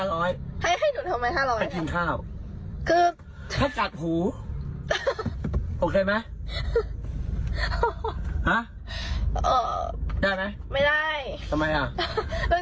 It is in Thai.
ลูกจะลองการหูหนูทำไมร้วน